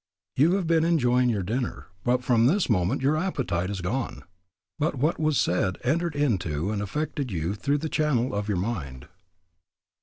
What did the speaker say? You have been enjoying your dinner, but from this moment your appetite is gone. But what was said entered into and affected you through the channel of your mind.